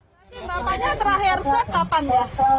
tapi bapaknya terakhir set kapan ya